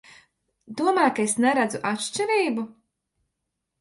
Domā, ka es neredzu atšķirību?